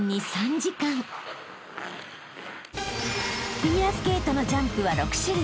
［フィギュアスケートのジャンプは６種類］